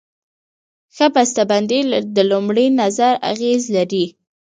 ښه بسته بندي د لومړي نظر اغېز لري.